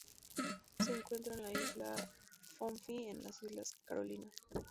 Se encuentra en la isla Pohnpei, en las Islas Carolinas.